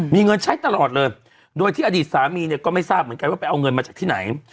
มีเงินใช้ตลอดเลยโดยที่อดีตสามีเนี่ยก็ไม่ทราบเหมือนกันว่าไปเอาเงินมาจากที่ไหน